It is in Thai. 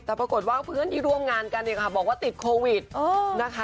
แต่ปรากฏว่าเพื่อนที่ร่วมงานกันเนี่ยค่ะบอกว่าติดโควิดนะคะ